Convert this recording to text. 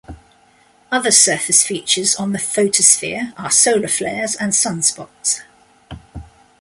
Other "surface features" on the photosphere are solar flares and sunspots.